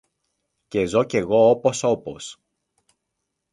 και ζω κι εγώ όπως όπως